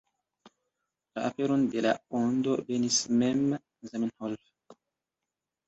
La aperon de La Ondo benis mem Zamenhof.